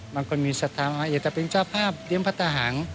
บางคนมีสถานที่อยากจะเป็นเจ้าภาพเตรียมพัฒนาหาง